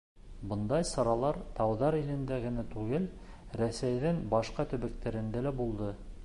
Бындай саралар тауҙар илендә генә түгел, Рәсәйҙең башҡа төбәктәрендә лә булды.